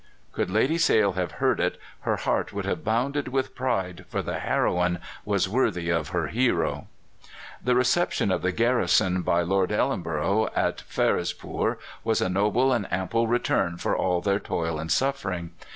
'" Could Lady Sale have heard it, her heart would have bounded with pride, for the heroine was worthy of her hero. The reception of the garrison by Lord Ellenborough at Ferozepoor was a noble and ample return for all their toil and suffering.